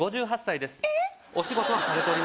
５８歳ですえっ？